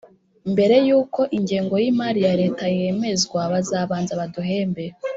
Mbere y uko ingengo y imari ya Leta yemezwa bazabanza baduhembe